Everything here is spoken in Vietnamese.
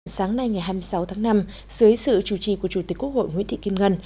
sáng nay ngày hai mươi sáu tháng năm dưới sự chủ trì của chủ tịch quốc hội nguyễn thị kim ngân